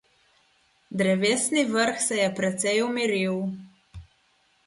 Drevesni vrh se je precej umiril.